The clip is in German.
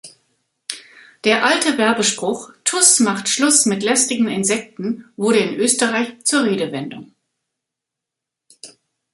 Der alte Werbespruch "Tus macht Schluss mit lästigen Insekten" wurde in Österreich zur Redewendung.